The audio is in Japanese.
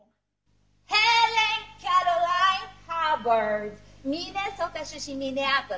ヘレン・キャロライン・ハバート。